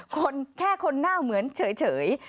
คนแค่คนหน้าเหมือนเฉย